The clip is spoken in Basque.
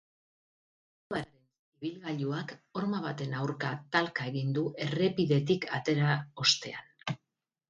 Zaurituaren ibilgailuak horma baten aurka talka egin du errepidetik atera ostean.